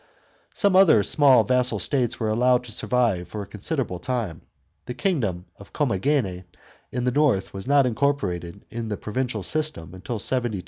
Some other small vassal states were allowed to survive for a considerable time. The kingdom of Commagene in the north was not incorporated in the provincial system until 72 A.